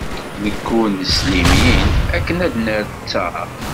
Neggul s limin, akken ad d-nerr ttaṛ.